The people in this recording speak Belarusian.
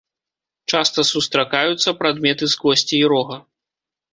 Часта сустракаюцца прадметы з косці і рога.